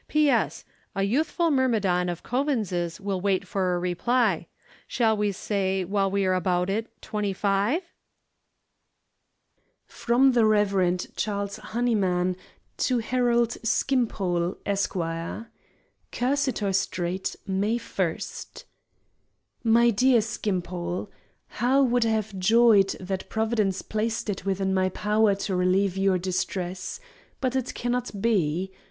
S. P.S.—A youthful myrmidon of Coavins's will wait for a reply. Shall we say, while we are about it, Twenty five? From the Rev. Charles Honeyman to Harold Skimpole, Esq. Cursitor Street, May 1. MY DEAR SKIMPOLE,—How would I have joyed, had Providence placed it within my power to relieve your distress! But it cannot be.